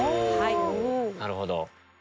なるほど。